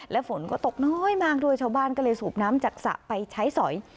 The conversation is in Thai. และฝนก็ตกน้อยมากด้วยชาวบ้านก็เลยสูบน้ำจากสระไปใช้สอย